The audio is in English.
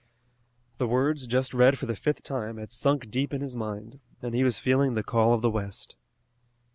The words just read for the fifth time had sunk deep in his mind, and he was feeling the call of the west.